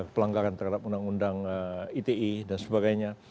pelanggaran terhadap undang undang ite dan sebagainya